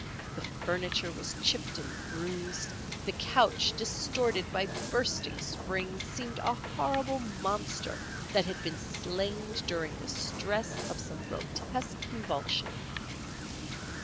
The furniture was chipped and bruised; the couch, distorted by bursting springs, seemed a horrible monster that had been slain during the stress of some grotesque convulsion.